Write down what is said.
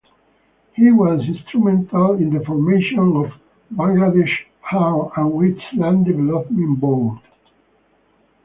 He was instrumental in the formation of Bangladesh Haor and Wetland Development Board.